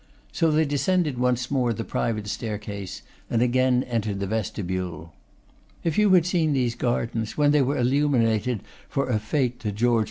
So they descended once more the private staircase, and again entered the vestibule. 'If you had seen these gardens when they were illuminated for a fête to George IV.